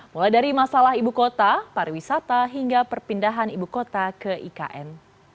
mulai dari masalah ibu kota pariwisata hingga perpindahan ibu kota ke ikn